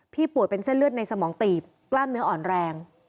ป่วยเป็นเส้นเลือดในสมองตีบกล้ามเนื้ออ่อนแรง